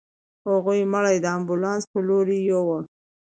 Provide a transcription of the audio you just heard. هغوی مړی د امبولانس په لورې يووړ.